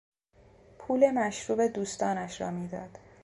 پول مشروب دوستانش را میداد.